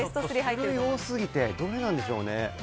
多すぎて、どれなんでしょうね。